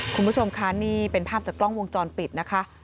คุณผู้ชมคะนี่เป็นภาพจากกล้องวงจรปิดนะคะ